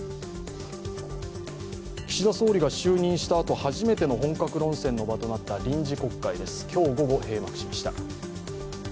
岸田総理が就任したあと、初めて本格論戦の場となった臨時国会です、今日午後、閉幕しました。